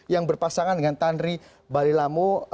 yang berpasangan dengan tanri balilamo